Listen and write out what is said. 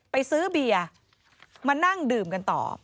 ไปซื้อเบียร์มานั่งดื่มกันต่อ